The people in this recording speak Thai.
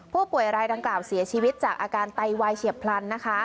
ผู้ป่วยรายดังกล่าวเสียชีวิตจากอาการไตวายเฉียบพลันนะคะ